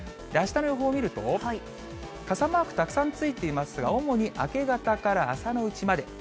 あしたの予報を見ると、傘マークたくさんついていますが、主に明け方から朝のうちまで。